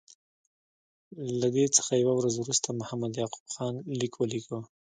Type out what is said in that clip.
له دې څخه یوه ورځ وروسته محمد یعقوب خان لیک ولیکه.